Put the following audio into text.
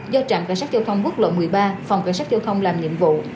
do trạm cảnh sát giao thông quốc lộ một mươi ba phòng cảnh sát giao thông làm nhiệm vụ